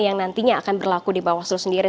yang nantinya akan berlaku di bawaslu sendiri